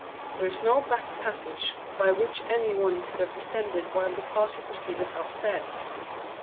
There is no back passage by which any one could have descended while the party proceeded up stairs.